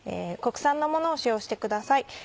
国産のものを使用してください